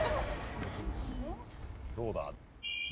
どうだ？